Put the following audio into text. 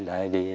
đấy đi nấu nữa